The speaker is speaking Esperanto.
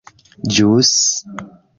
ĵus